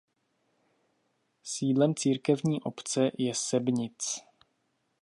Sídlem církevní obce je Sebnitz.